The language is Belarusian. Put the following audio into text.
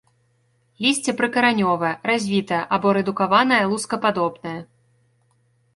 Лісце прыкаранёвае, развітае або рэдукаванае лускападобнае.